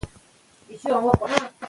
که لیلیه وي نو محصل نه سرګردانه کیږي.